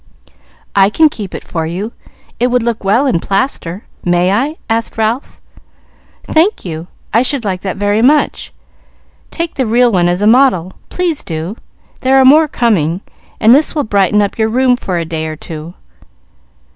"I can keep it for you. It would look well in plaster. May I?" asked Ralph. "Thank you, I should like that very much. Take the real one as a model please do; there are more coming, and this will brighten up your room for a day or two."